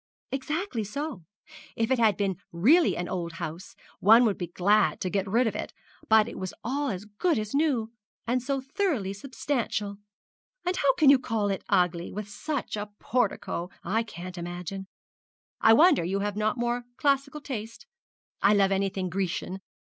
'Exactly so. If it had been really an old house, one would be glad to get rid of it; but it was all as good as new, and so thoroughly substantial! and how you can call it ugly, with such a portico, I can't imagine. I wonder you have not more classical taste. I love anything Grecian.